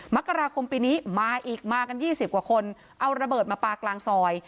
มกราคมปีนี้มาอีกมากัน๒๐กว่าคนเอาระเบิดมาปลากลางซอย